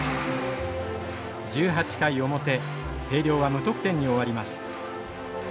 １８回表星稜は無得点に終わります。